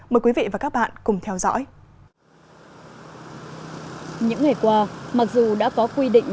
mời quý vị và các bạn cùng theo dõi